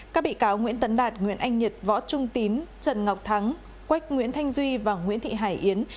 các bị cáo nguyễn tấn đạt nguyễn anh nhật võ trung tín trần ngọc thắng quách nguyễn thanh duy và nguyễn thị hải yến